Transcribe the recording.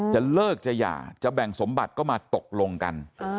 จะเลิกจะหย่าจะแบ่งสมบัติก็มาตกลงกัน